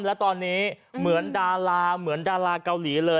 แล้วตอนนี้เหมือนดาราเกาหลีเลย